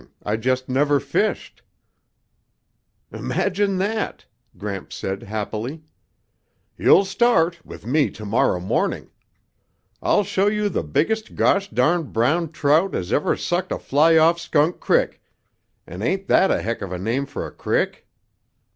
I just never fished." "Imagine that," Gramps said happily. "You'll start, with me tomorrow morning. I'll show you the biggest gosh darned brown trout as ever sucked a fly off Skunk Crick, and ain't that a heck of a name for a crick?